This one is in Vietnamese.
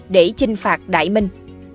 để chinh phạt đại minh